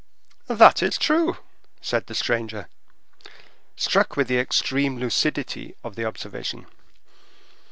"That is true!" said the stranger, struck with the extreme lucidity of the observation.